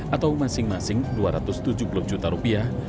atau masing masing dua ratus tujuh puluh juta rupiah